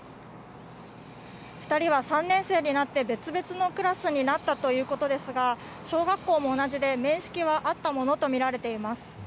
２人は３年生になって別々のクラスになったということですが、小学校も同じで、面識はあったものと見られています。